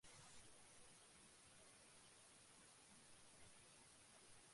ইহাই সর্বাপেক্ষা বাহিরের বস্তু আর এই স্থূল ভূতের পশ্চাতে সূক্ষ্ম ভূত রহিয়াছে।